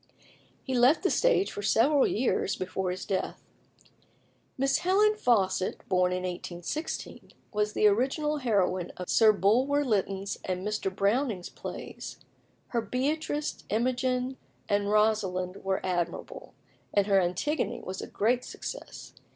He left the stage for several years before his death. Miss Helen Faucit, born in 1816, was the original heroine of Sir Bulwer Lytton's and Mr. Browning's plays. Her Beatrice, Imogen, and Rosalind were admirable, and her Antigone was a great success.